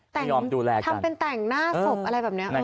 แต่งยอมดูแลทำเป็นแต่งหน้าศพอะไรแบบนี้